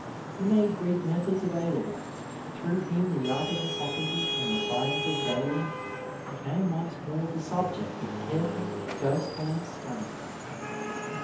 He made Greek methods avail able ; through him the art of Hippocrates and the science of Galen became once more the subject of careful, first hand study.